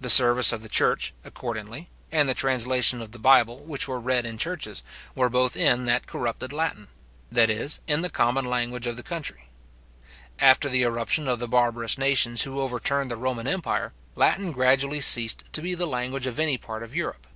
The service of the church, accordingly, and the translation of the Bible which were read in churches, were both in that corrupted Latin; that is, in the common language of the country, After the irruption of the barbarous nations who overturned the Roman empire, Latin gradually ceased to be the language of any part of Europe.